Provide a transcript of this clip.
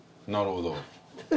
なるほど。